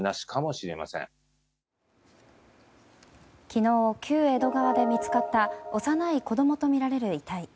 昨日旧江戸川で見つかった幼い子供とみられる遺体。